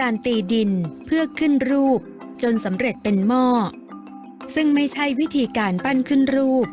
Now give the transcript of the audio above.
การตีดินเพื่อขึ้นรูปจนสำเร็จเป็นหม้อซึ่งไม่ใช่วิธีการปั้นขึ้นรูป